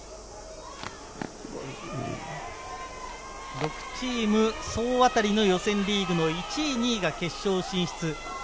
６チーム総当たりの予選リーグの１位、２位が決勝進出。